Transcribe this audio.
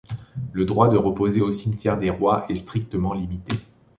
Le droit de reposer au cimetière des Rois est strictement limité.